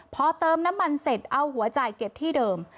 พอเติมน้ำมันเสร็จเอาหัวจ่ายเก็บที่เดิม